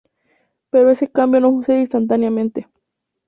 Pero ese cambio no sucede instantáneamente.